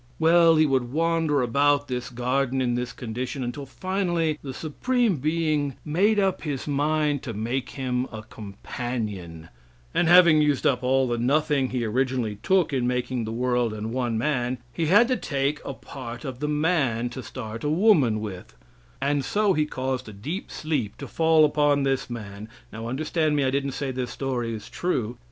Well, he would wander about this garden in this condition until finally the supreme being made up his mind to make him a companion; and having used up all the nothing he originally took in making the world and one man, he had to take a part of the man to start a woman with, and so he caused a deep sleep to fall upon this man now, understand me. I didn't say this story is true.